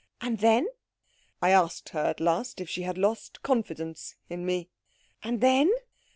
"And then?" "I asked her at last if she had lost confidence in me." "And then?"